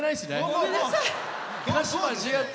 ごめんなさい。